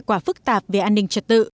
quả phức tạp về an ninh trật tự